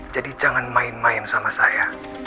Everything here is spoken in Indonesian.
jadi jangan main main sama saya